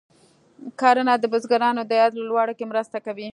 کرنه د بزګرانو د عاید لوړولو کې مرسته کوي.